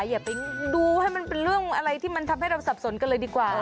อย่าไปดูให้มันเป็นเรื่องอะไรที่มันทำให้เราสับสนกันเลยดีกว่า